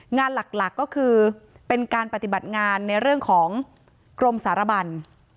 งานหลักก็คือเป็นการปฏิบัติงานในเรื่องของกรมสารบัน